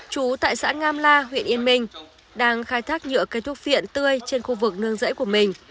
chú tại xã ngam la huyện yên minh đang khai thác nhựa cây thuốc viện tươi trên khu vực nương rẫy của mình